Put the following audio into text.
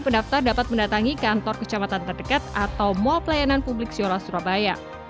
pendaftar dapat mendatangi kantor kecamatan terdekat atau mall pelayanan publik suara surabaya